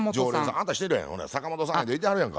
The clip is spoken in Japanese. あんた知ってるやん坂本さんゆうのいてはるやんか。